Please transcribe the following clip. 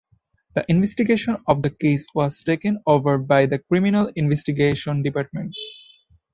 The investigation of the case was taken over by the Criminal Investigation Department.